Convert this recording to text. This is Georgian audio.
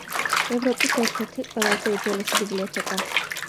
ევროპის ერთ-ერთი ყველაზე უძველესი ბიბლიოთეკა.